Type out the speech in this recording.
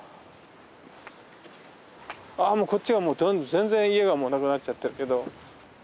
あもうこっちはもう全然家がなくなっちゃってるけど。